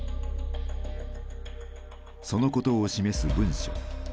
そのことを示す文書。